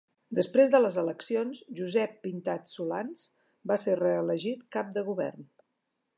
Després de les eleccions, Josep Pintat Solans va ser reelegit Cap de Govern.